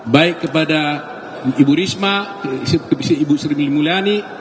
baik kepada ibu risma ibu sri mulyani